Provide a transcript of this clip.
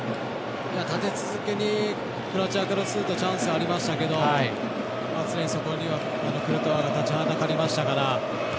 立て続けにクロアチアからするとチャンスがありましたけど常に、そこにはクルトワが立ちはだかりましたから。